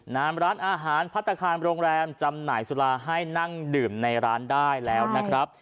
น้ำร้านอาหารพัฒนาคารโรงแรมจำหน่ายสุราให้นั่งดื่มในร้านได้แล้วนะครับ